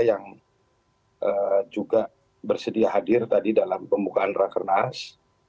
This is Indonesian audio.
yang juga bersedia hadir tadi dalam pembukaan rakernas